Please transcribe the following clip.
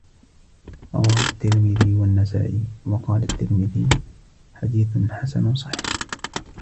رواهُ التِّرمذيُّ والنَّسائِيُّ، وقالَ التِّرمذيُّ: حديثٌ حسَنٌ صحيحٌ